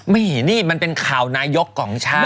นี่มันเป็นข่าวนายกของชาติ